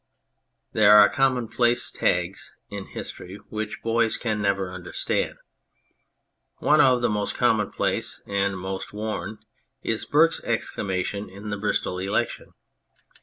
There are commonplace tags in history which boys can never understand. One of the most common place and the most worn is Burke's exclamation in the Bristol election.